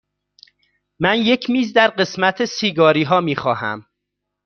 من یک میز در قسمت سیگاری ها می خواهم.